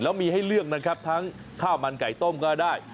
แล้วมีให้เลือกนะครับทั้งข้าวมันไก่ต้มก็ได้